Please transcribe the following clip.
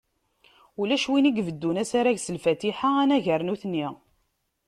Ulac win ibeddun asarag s Lfatiḥa anagar nutni.